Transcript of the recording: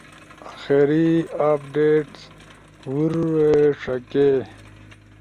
آخری اپڈیٹس: ہورے ݜکے